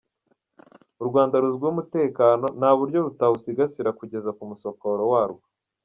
U Rwanda ruzwiho umutekano nta buryo rutawusigasira kugeza ku musokoro wawo.